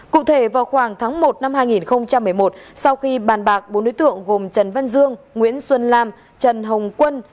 cụ thể vào khoảng tháng một năm hai nghìn một mươi một sau khi bàn bạc bốn đối tượng gồm trần văn dương nguyễn xuân lam trần hồng quân